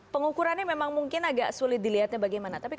pengukurannya memang mungkin agak sulit dilihatnya bagaimana